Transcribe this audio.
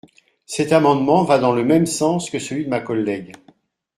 Cet amendement va dans le même sens que celui de ma collègue.